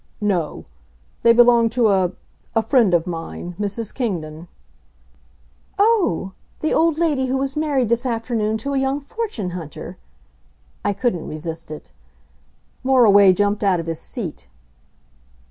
"No. They belong to a a friend of mine, Mrs. Kingdon." "Oh! the old lady who was married this afternoon to a young fortune hunter!" I couldn't resist it. Moriway jumped out of his seat.